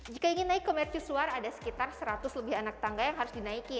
jika ingin naik ke mercusuar ada sekitar seratus lebih anak tangga yang harus dinaiki